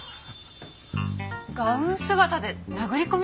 ガウン姿で殴り込み！？